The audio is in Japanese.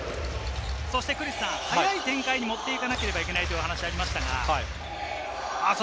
速い展開に持っていかなければいけないという話がありました。